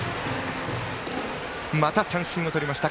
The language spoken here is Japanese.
また三振をとりました。